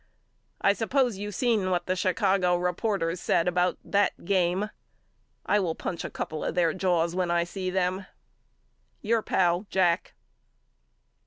I suppose you seen what the Chicago reporters said about that game. I will punch a couple of their jaws when I see them. Your pal, JACK.